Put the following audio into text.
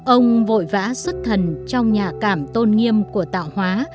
ông vội vã xuất thần trong nhạ cảm tôn nghiêm của tạo hóa